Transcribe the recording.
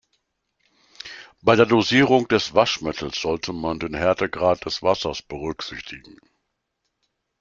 Bei der Dosierung des Waschmittels sollte man den Härtegrad des Wassers berücksichtigen.